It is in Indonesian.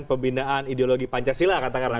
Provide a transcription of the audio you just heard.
pembinaan ideologi pancasila katakanlah